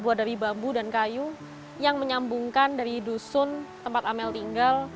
terbuat dari bambu dan kayu yang menyambungkan dari dusun tempat amel tinggal